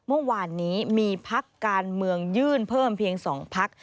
เมื่อวานนี้มีพักการเมืองยื่นเพิ่มเพียง๒พัก